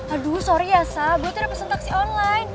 aduh sorry esa gue tuh udah pesen taksi online